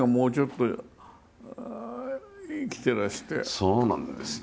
そうなんですよ。